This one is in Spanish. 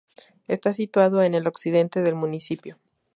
Está situado en el occidente del municipio.